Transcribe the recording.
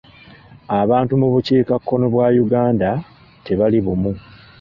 Abantu mu bukiikakkono bwa Uganda tebali bumu.